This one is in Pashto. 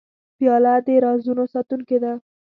پیاله د رازونو ساتونکې ده.